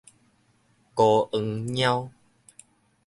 孤黃貓